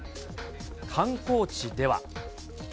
観光地では。